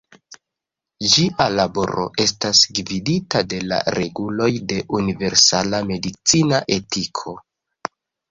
Ĝia laboro estas gvidita de la reguloj de universala medicina etiko.